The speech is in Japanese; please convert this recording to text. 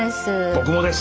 僕もです。